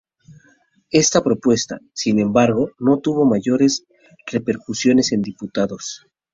Esta propuesta, sin embargo, no tuvo mayores repercusiones en Diputados.